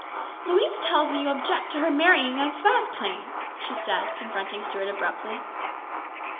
" Louise tells me you object to her marrying young Vasplaine," she said, confronting Stuart abruptly.